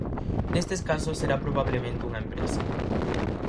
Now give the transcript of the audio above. Neste casos será probablemente unha empresa.